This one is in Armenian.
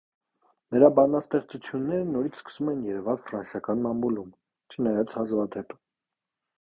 Նրա բանաստեղծությունները նորից սկսում են երևալ ֆրանսիական մամուլում, չնայած հազվադեպ։